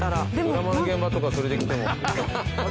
ドラマの現場とかそれで来ても。